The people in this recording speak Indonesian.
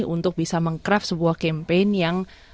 untuk bisa mengcraft sebuah campaign yang